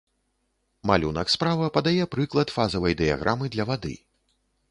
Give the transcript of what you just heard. Малюнак справа падае прыклад фазавай дыяграмы для вады.